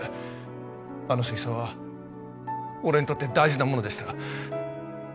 あの水槽は俺にとって大事なものでした。